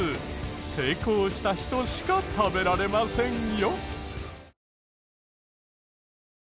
成功した人しか食べられませんよ。